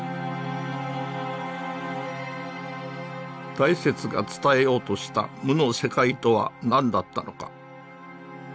大拙が伝えようとした「無」の世界とは何だったのか。